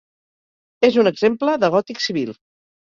És un exemple de gòtic civil.